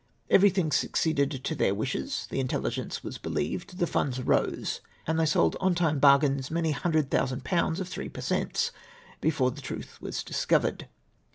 Everything succeeded to their wishes ; the in telligence was believed, the funds rose, and they sold on time bargains many hundred thousand pounds of 3 per cents, before the truth was discovered."